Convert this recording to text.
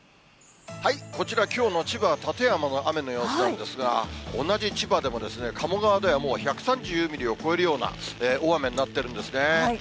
こちらきょうの千葉・館山の雨の様子なんですが、同じ千葉でもですね、鴨川ではもう１３０ミリを超えるような大雨になってるんですね。